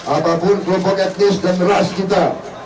apapun kelompok etnis dan ras kita